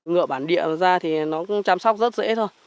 ngựa bản địa ra thì nó cũng chăm sóc rất dễ thôi